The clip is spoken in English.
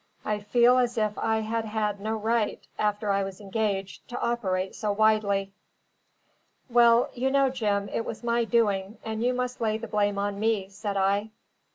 I feel as if I had had no right (after I was engaged) to operate so widely." "Well, you know, Jim, it was my doing, and you must lay the blame on me," said I.